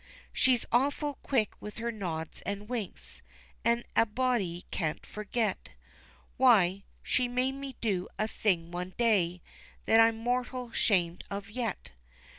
She's awful quick with her nods and winks, An' a body can't forget, Why, she made me do a thing one day That I'm mortal shamed of yet.